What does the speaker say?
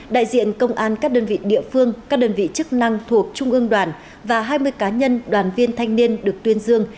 đại diện công an các đơn vị địa phương các đơn vị chức năng thuộc trung ương đoàn và hai mươi cá nhân đoàn viên thanh niên được tuyên dương